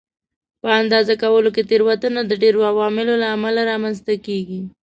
په اندازه کولو کې تېروتنه د ډېرو عواملو له امله رامنځته کېږي.